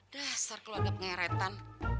dasar keluarga pengeretan